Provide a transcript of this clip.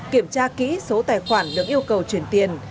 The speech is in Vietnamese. kiểm tra kỹ số tài khoản được yêu cầu chuyển tiền